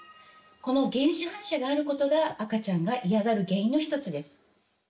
この原始反射があることが赤ちゃんが嫌がる原因の１つです。